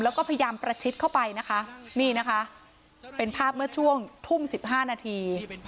แล้วก็พยายามประชิดเข้าไปนะคะนี่นะคะเป็นภาพเมื่อช่วงทุ่ม๑๕นาที